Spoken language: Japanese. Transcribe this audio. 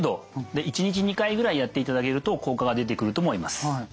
で１日２回ぐらいやっていただけると効果が出てくると思います。